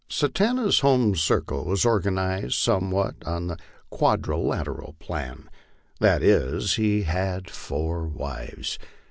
Satanta's home circle was organized somewhat on the quadrilateral plan ; that is, he had four wives.